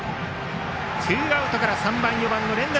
ツーアウトから３番、４番の連打。